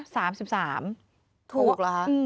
สามสิบสาม